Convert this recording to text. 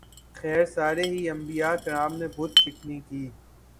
خیر سارے ہی انبیاء کرام نے بت شکنی کی ۔